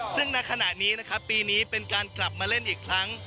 ซึ่งณขณะนี้นะครับปีนี้เป็นการกลับมาเล่นอีกครั้ง